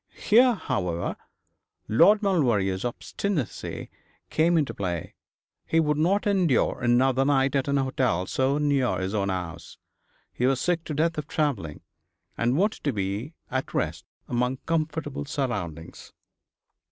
Here, however, Lord Maulevrier's obstinacy came into play. He would not endure another night at an hotel so near his own house. He was sick to death of travelling, and wanted to be at rest among comfortable surroundings.